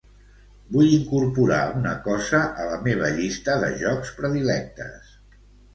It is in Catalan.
Vull incorporar una cosa a la meva llista de jocs predilectes.